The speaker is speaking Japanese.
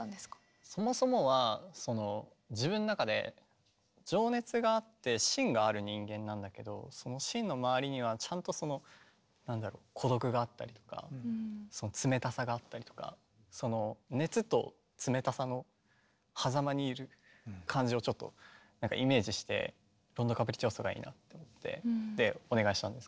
そもそもは自分の中で情熱があって芯がある人間なんだけどその芯の周りにはちゃんとそのなんだろう孤独があったりとか冷たさがあったりとか熱と冷たさの狭間にいる感じをちょっとイメージして「ロンド・カプリチオーソ」がいいなって思ってお願いしたんですけど。